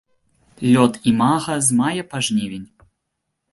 Лёт імага з мая па жнівень.